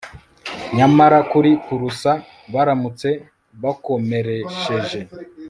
Nyamara kuri purusa baramutse bakoresheje